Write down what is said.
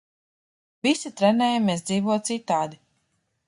Visi trenējamies dzīvot citādi.